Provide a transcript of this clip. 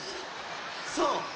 そう。